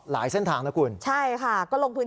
หลายเส้นทางนะคุณ